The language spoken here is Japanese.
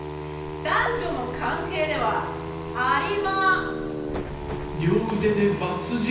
男女の関係ではありま。